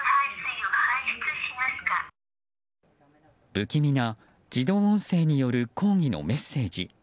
不気味な自動音声による抗議のメッセージ。